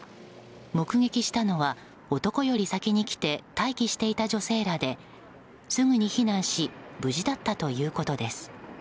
目撃したのは、男より先に来て待機していた女性らですぐに避難し無事だったということです。